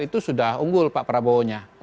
itu sudah unggul pak prabowo nya